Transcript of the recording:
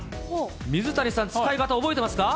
水谷さん、使い方、覚えてますか？